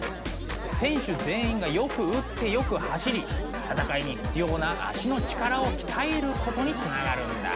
選手全員がよく打ってよく走り戦いに必要な脚の力を鍛えることにつながるんだ。